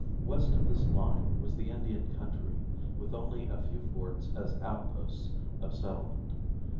West of this line was the Indian country, with only a few forts as outposts of settlement.